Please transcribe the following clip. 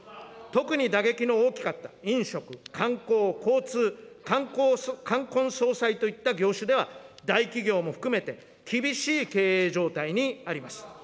特に打撃の大きかった飲食、観光、交通、冠婚葬祭といった業種では、大企業も含めて厳しい経営状態にあります。